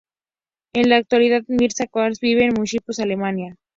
En la actualidad Mirza Khazar vive en Múnich, Alemania.